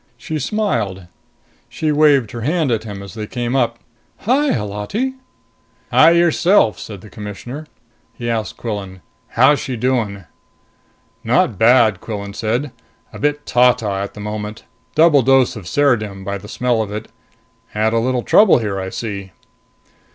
She smiled. She waved her hand at him as they came up. "Hi, Holati!" "Hi, yourself," said the Commissioner. He asked Quillan, "How's she doing?" "Not bad," Quillan said. "A bit ta ta at the moment. Double dose of ceridim, by the smell of it. Had a little trouble here, I see."